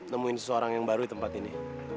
nemuin seseorang yang baru di tempat ini